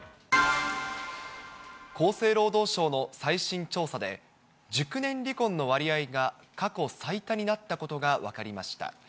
厚生労働省の最新調査で、熟年離婚の割合が過去最多になったことが分かりました。